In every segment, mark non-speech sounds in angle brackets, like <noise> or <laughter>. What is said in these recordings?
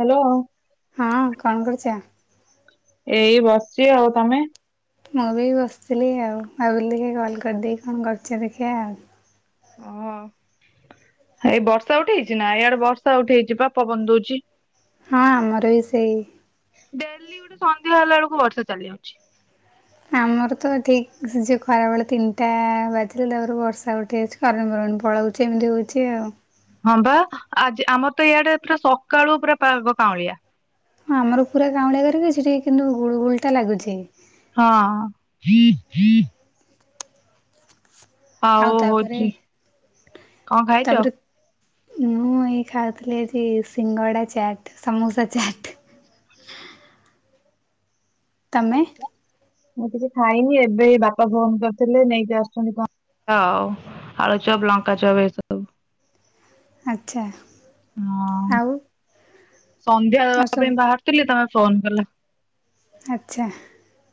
Hello, ହଁ କଣ କରୁଛ? ଏଇ ବସିଛି ଆଉ ତମେ? ମୁଁ ବି ବସିଥିଲି ଆଉ, ଭାବୁିଲି ଦେଖି କଲ୍ କରିଦେଇକି କଣ କରୁଛ ଦେଖିଆ ଆଉ। ଓହୋ <inaudible> ଏଇ ବର୍ଷା ଉଠେଇଛି ନା ଏଇଆଡେ ବର୍ଷା ଉଠେଇଛି ପା ପବନ ଦଉଛି। ହଁ ଆମର ବି ସେଇ ଡେଲି ଗୋଟେ ସନ୍ଧ୍ୟା ହେଲା ବେଳକୁ ବର୍ଷା ଚାଲି ଆଉଛି। ଆମର ତ ଠିକ୍ ଯି-ଯି ଖରାବେେଳେ ତିନିଟା ବାଜିଲେ ତାପରୁ ବର୍ଷା ଉଠି ଅଛି କାରଣ ବରଣ ପଳାଉଛି ଏମିତି ହେଉଛି ଆଉ। ହଁ ବା ଆଜି ଆମର ତ ଇଆଡେ ପୁରା ସକାଳୁ ପୁରା ପାଗ କାଉଁଳିଆ। ହଁ ଆମର ପୁରା କାଉଁଳିଆ ଖରି କି ସେଛିଠିକ୍ କିନ୍ତୁ ଗୁଳ୍ ଗୁଳଟା ଲାଗୁଛି। ହଁ <unintelligible> ଆଉ ତାପରେ, କଣ ଖାଇଛ? ତାପରେ ମୁଁ ଏଇ ଖାଉଥିଲି ଏଠି ସିଙ୍ଗଡ଼ା ଚାଟ୍, ସମୋସା ଚାଟ୍। ତମେ? ମୁଁ କିଛି ଖାଇନି ଏବେ ବାପା ଫୋନ କରିଥିଲେ ନେଇକି ଆସୁଛନ୍ତି କଣ ଆଳୁ ଚପ୍ ଲଙ୍କା ଚପ୍ ଏସବୁ। ଆଚ୍ଛା, ହଁ। ଆଉ ସନ୍ଧ୍ୟା ଆଉ ଦବା ସବୁ ପାଇଁ ବାହାରିଥିଲି ତମେ ଫୋନ କଲ। ଆଚ୍ଛା।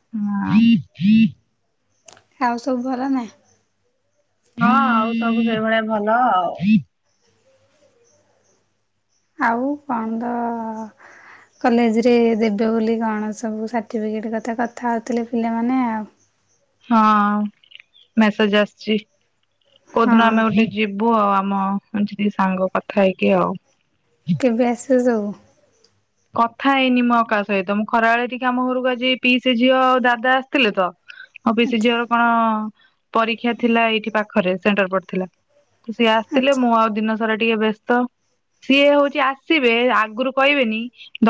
ହଁ <unintelligible> ଆଉ ସବୁ ଭଲ ନା? ହଁ ଆଉ ସବୁ ସେଇଭଳିଆ ଭଲ ଆଉ। ଆଉ କଣ -ଅ-ଅ କଲେ୍। ଜରେ ଦେବେ ବୋଲି କଣ ସବୁ ସାର୍ଟିଫିକେଟ୍ କଥା କଥା ହେଉଥିଲେ ପିଲାମାନେ ଆଉ ହଁ ମେସେଜ ଆସିଛି କୋଉଦିନ ହଁ ଆମେ ଉଠି ଯିବୁ ଆଉ ଆମ ଏ ଯଦି ସାଙ୍ଗ କଥା ହେଇକି ଆଉ। କେବେ ଆସିଲ ଯଉ କଥା ହେଇନି ମୁ ଆଉ କାହା ସହିତ ମୁଁ ଖରାବେଳେ ଟିକେ ଆମ ଘରକୁ ଆଜି ପିଇସା ଝିଅ ଆଉ ଦାଦା ଆସିଥିଲେ ତ ମୋ ପିଇସି ଆଚ୍ଛା ଝିଅ ର କଣ ପରୀକ୍ଷା ଥିଲା ଏଇଠି ପାଖରେ ସେଣ୍ଟର ପଡିଥିଲା। ସିଏ ଆସିଥିଲେ ଆଚ୍ଛା। ମୁଁ ଆଉ ଦିନ ସାରା ଟିକେ ବ୍ୟସ୍ତ। ସିଏ ହେଉଛି ଆସିବେ ଆଗରୁ କହିବେନି।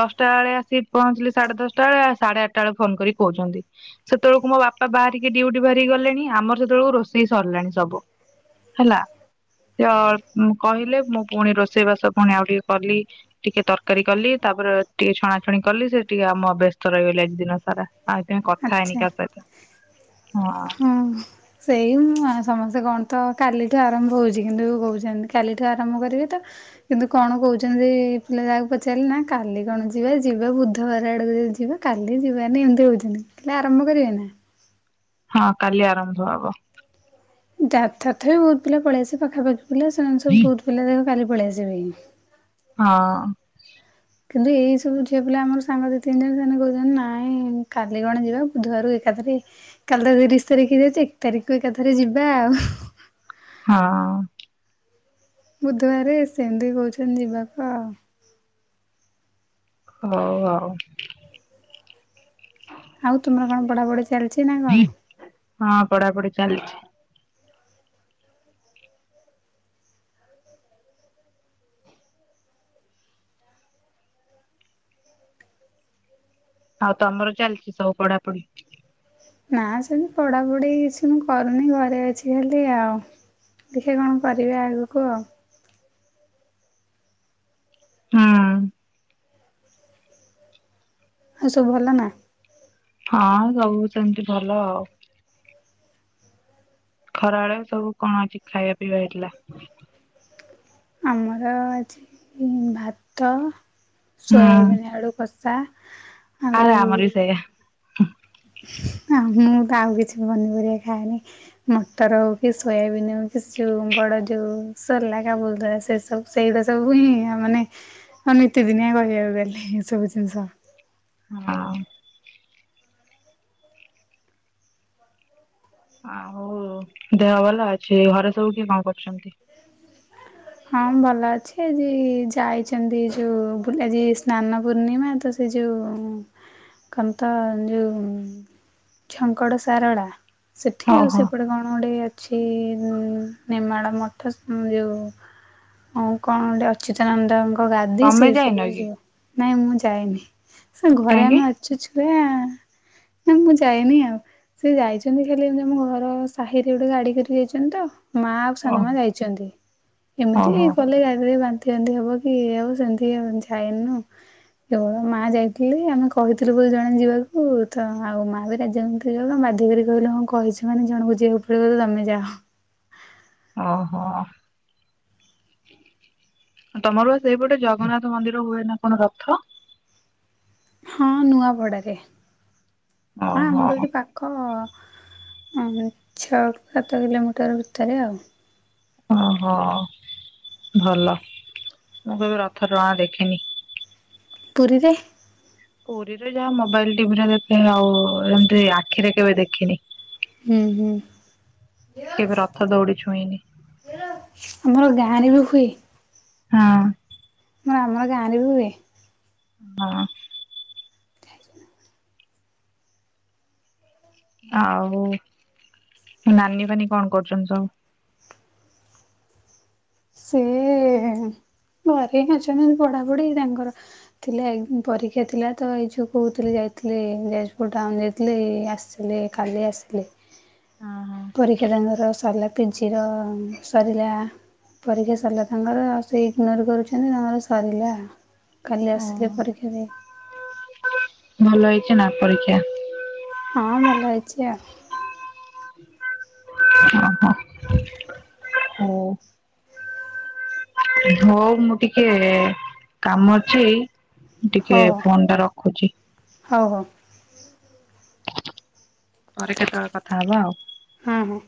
ଦଶଟା ବେଳେ ଆସି ପହଞ୍ଚିଲେ ସାଢେ ଦଶଟା ବେଳେ ସାଢେ ଆଠଟା ବେଳେ ଫୋନ୍ କରି କହୁଛନ୍ତି। ସେତେବେଳକୁ ମୋ ବାପା ବାହାରିକି ଡିଉଟି ବାହାରିକି ଗଲେଣି ଆମର ସେତେବେଳକୁ ରୋଷେଇ ସରିଲାଣି ସବୁ। ହେଲା। <unintelligible> କହିଲେ ମୁଁ ପୁଣି ରୋଷେଇ ବାସ ପୁଣି ଆଉ ଟିକେ କଲି, ଟିକେ ତରକାରୀ କଲି ତାପରେ ଟିକେ ଛଣାଛଣି କଲି ସେ ଟିକେ ଆମ ବ୍ୟସ୍ତ ରହିଗଲି ଆଜି ଦିନ ସାରା, ଆଉ ଏଥିପାଇଁ କଥା ହେଇନି କାହା ସହିତ। <unintelligible> ହଁ ସେଇଁ ସମସ୍ତେ କଣ ତ କାଲିଠୁ ଆରମ୍ଭ ହଉଛି କିନ୍ତୁ କହୁଛନ୍ତି କାଲିଠୁ ଆରମ୍ଭ କରିବେ ତ କିନ୍ତୁ କଣ କହୁଛନ୍ତି ପିଲା ଯାହାକୁ ପଚାରିଲେ ନା କାଲି କଣ ଯିବା ଯିବା ବୁଧବାର ଆଡ଼କୁ ଯିବା। କାଲି ଯିବାନି ଏମିତି ହଉଚନ୍ତି ହେଲେ ଆରମ୍ଭ କରିବାନି। ହଁ କାଲି ଆରମ୍ଭ ହବ। ଯା ତଥାପି ବହୁତ ପିଲା ପଳେଇଆସି ପାଖାପାଖି ପିଲା ସେମାନେ ସବୁ ହଁ ବୁହୁତୁ ପିଲା ଦେଖ କାଲି ପଳେଇଆସିବେ। ହଁ କିନ୍ତୁ ଏଇ ସବୁ ଝିଅ ପିଲା ଆମର ସାଙ୍ଗ ଦୁଇ ତିନି ଜଣ ସେମାନେ କହୁଛନ୍ତି ନାଇଁ କାଲି କଣ ଯିବା ବୁଧବାର କୁ ଏକାଥରେ କାଲି ତ ତିରିଶି ତାରିଖ ଅଛି ଏକ ତାରିଖକୁ ଏକାଥରେ ଯିବା ଆଉ। ହଁ ବୁଧବାରେ ସେମିତି କହୁଛନ୍ତି ଯିବାକୁ ଆଉ। ହଉ ଆଉ ଆଉ ତୁମର କଣ ପଢ଼ାପଢ଼ି ଚାଲିଛି ନା କଣ? ହଁ ପଢାପଢି ଚାଲିଛି। ଆଉ ତମର ଚାଲିଛି ସବୁ ପଢାପଢି? ନା ସେମତି ପଢାପଢି କିଛି ମୁଁ କରୁନି ଘରେ ଅଛିବୋଲି ଆଉ। ଦେଖିବା କଣ କରିବା ଆଗକୁ ଆଉ ହୁଁ ଆଉ ସବୁ ଭଲ ନା? ହଁ ସବୁକିଛି ସେମିତି ଭଲ ଆଉ। ଖରାବେଳେ ସବୁ କଣ ଆଜି ଖାଇବା ପିଇବା ହେଇଥିଲା? ଆମର ଆଜି ଭାତ, ହୁଁ ସୋୟାବିନ୍ ଆଳୁ କ ଷା ଆରେ ଆମର ବି ସେଇଆ। ଆଉ ମୁଁ ତ ଆଉ କିଛି ପନିପରିବା ଖାଏନି। ମଟର ହଉ କି, ସୋୟାବିନ୍ ହଉ କି ଯୋଉ ବଡ଼ ଯୋଉ ସେଲା କାବୁଲ୍ ବୁଟ ସେ ସବୁ ସେଇଟା ସବୁ ହିଁ ମାନେ ଆଉ ନିତି ଦିନିଆ କହିବାକୁ ଗଲେ ଏସବୁ ଜିନିଷ। ହଁ ଆ ହଉ ଦେହ ଭଲ ଅଛି, ଘରେ ସବୁ କିଏ କଣ କରୁଛନ୍ତି? ହଁ ଭଲ ଅଛି ଆଜି ଯାଇଚନ୍ତି ଯୋଉ ବୁ ଆଜି ସ୍ନାନ ପୂର୍ଣ୍ଣିମା ତ ସେ ଯେଉଁ କନ ତ ଯୋଉ ଝଙ୍କଡ ଶାରଳା ସେଠି ଆଉ ଓହୋ ସେପଟେ କଣ ଗୋଟେ ଅଛି ନେମାଳ ମଠ ଯୋଉଁ ଆଉ କଣ ଗୋଟେ ଅଚ୍ୟୁତାନନ୍ଦଙ୍କ ଗାଦି ତମେ ସେଇଟି ଯାଇନ ସବୁ କି ଯିବୁ। ନାଇଁ ମୁଁ ଯାଇନି। ଏ ଘରେ କାହିଁକି? ଆମେ ଅଛୁ ଛୁଆ, ନା ମୁଁ ଯାଏନି ଆଉ। ସେ ଯାଇଛନ୍ତି ଖାଲି ଏମିତି ଆମ ଘର ସାହିରେ ଗୋଟେ ଗାଡି କରି ଯାଇଛନ୍ତି ତ ମା ଆଉ ସାନମା ଓହୋ ଯାଇଛନ୍ତି। ଏମିତି ଓହୋ ଗଲେ ଗାଡିରେ ବାନ୍ତି ଫାନ୍ତି ହବ କି ଇଏ ହବ ସେମିତି ଯାଇନୁ କେବଳ ମା ଯାଇଥିଲେ ଆମେ କହିଥିଲୁ ବୋଲି ଜଣେ ଯିବାକୁ ତ ଆଉ ମା ବି ରାଜି ହଉ ନଥିଲେ ବାଧ୍ୟକିରି କହିଲୁ ହଁ କହିଛୁ ମାନେ ଜଣକୁ ଯିବାକୁ ପଡିବ ତ ତମେ ଯାଅ। ଓହୋ ତମର ବା ସେଇପଟେ ଜଗନ୍ନାଥ ମନ୍ଦିର ହୁଏ ନା କଣ ରଥ? ହଁ ନୂଆପଡାରେ, ହଁ ଓହୋ ଆମର ତ ଏଠି ପା ଖ ଛଅ ସାତ କିଲୋମିଟର ଭିତରେ ଆଉ। ଓହୋ ଭଲ ମୁଁ କେବେ ରଥ ଟଣା ଦେଖିନି। ପୁରୀରେ ପୁରୀରେ ଯାହା ମୋବାଇଲ୍ ଟିଭିରେ ଦେଖେ ଆଉ ଏମିତି ଆଖିରେ କେବେ ଦେଖିନି। ହୁଁ, ହୁଁ। କେବେ ରଥଦୌଡି ଛୁଇଁନି। ଆମର ଗାଁରେ ବି ହୁଏ। ହଁ। ହଁ ଆମ ଗାଁରେ ବି ହୁଏ। ହଁ। <unintelligible> ଆଉ ନାନୀଫାନି କଣ କରୁଛନ୍ତି ସବୁ? ସେ ଏ ଘରେ ହିଁ ଅଛନ୍ତି ପଢ଼ାପଢ଼ି ତାଙ୍କର। ଥିଲା ପରୀକ୍ଷା ଥିଲା ତ ଏଇଜୋ କହୁଥିଲି ଯାଇଥିଲେ ଯାଜପୁର ଟାଉନ ଯାଇଥିଲେ ଆସ ହେଲେ ଖାଲି ଆସିଲେ। ହଁ ପରୀକ୍ଷା ତାଙ୍କର ସରିଲା ପିଜିର ସରିଲା ପରୀକ୍ଷା ସରିଲା ତାଙ୍କର ଆଉ ସେ ଇଗ୍ନୋର କରୁଛନ୍ତି ତାଙ୍କର ସରିଲା କାଲି ଆସିଲେ ହଁ। ପରୀକ୍ଷା ଦେଇ। <inaudible> ଭଲ ହେଇଛି ନା ପରୀକ୍ଷା? ହଁ ଭଲ ହେଇଛି ଆଉ। ଓହୋ। ହୁଁ। ହଉ ମୁଁ ଟିକେ କାମ ଅଛି ହଉ ହଉ ଟିକେ ଫୋନ ଟା ରଖୁଛି। ହଉ ହଉ। ପରେ କେତେବେଳେ କଥା ହବା ଆଉ। ହଁ, ହଁ।